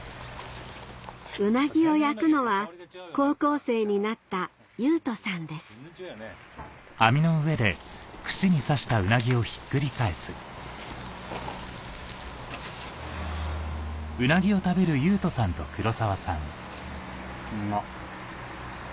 ウナギを焼くのは高校生になった雄翔さんですうまっ。